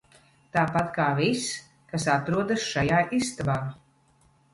Tāpat kā viss, kas atrodas šajā istabā.